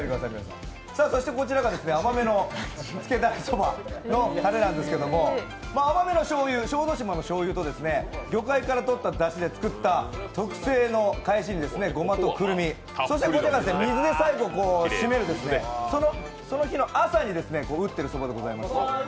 こちらが甘めのつけダレそばのタレなんですけど甘めのしょうゆ、小豆島のしょうゆと魚介からとっただしに特製のかえしにごまとくるみ、そしてこちらが水で最後、締めるその日の朝に打っているそばでございます。